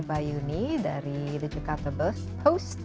bayuni dari the jakarta post